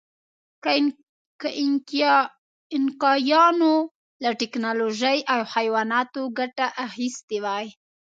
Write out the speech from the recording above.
که اینکایانو له ټکنالوژۍ او حیواناتو ګټه اخیستې وای.